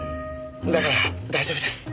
だから大丈夫です。